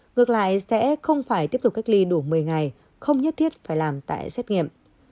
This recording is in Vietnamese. ngược lại sẽ không phải tiếp tục cách ly đủ một mươi ngày không nhất thiết phải làm tại xét nghiệm